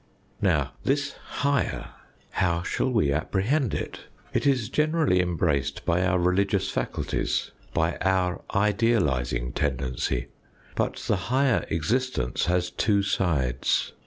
Now, this higher how shall we apprehend it ? It is generally embraced by our religious faculties, by our idealising tendency. But the higher existence has two sides.